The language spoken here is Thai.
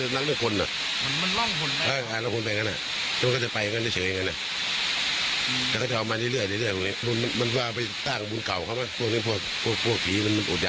เรายังได้คุยกับอีกหนึ่งบุคคลด้วยนะ